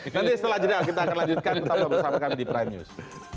nanti setelah jadwal kita akan lanjutkan bersama sama di prime news